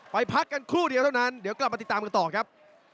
พักกันครู่เดียวเท่านั้นเดี๋ยวกลับมาติดตามกันต่อครับ